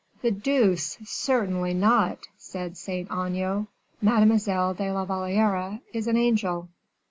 "The deuce! certainly not!" said Saint Aignan. "Mademoiselle de la Valliere is an angel."